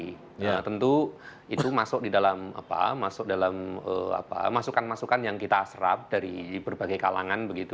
nah tentu itu masuk di dalam apa masuk dalam masukan masukan yang kita serap dari berbagai kalangan begitu